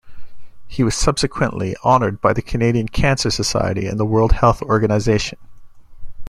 He was subsequently honoured by the Canadian Cancer Society and the World Health Organization.